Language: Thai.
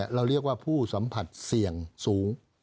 เราเรียกว่าผู้สัมผัสเสี่ยงสูง